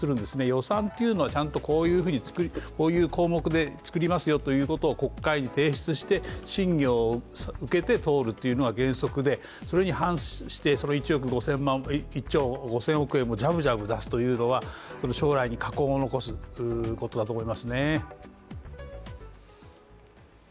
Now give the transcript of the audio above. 予算というのをちゃんとこういうふうに作り、こういう項目で作りますよということを国会に提出して審査を受けて通るというのが原則で、それに反してその１億５０００万、１兆５０００億円をジャブジャブ出すというのはその将来に禍根を残すことだと思いますね。